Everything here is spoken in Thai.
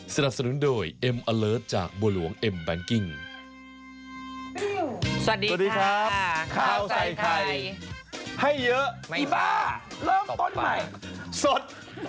สวัสดีครับข้าวใส่ไข่ให้เยอะอีบ้าเริ่มต้นใหม่สด